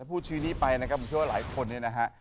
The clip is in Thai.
พูดชื่อนี้ไปนะครับผมเชื่อว่าหลายคนเนี่ยนะฮะ